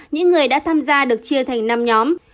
những người đã tham gia được chia thành năm nhóm